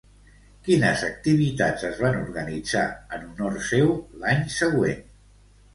Quines activitats es van organitzar en honor seu l'any següent?